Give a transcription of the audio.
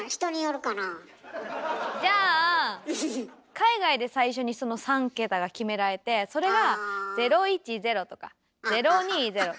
海外で最初にその３桁が決められてそれが「０１０」とか「０２０」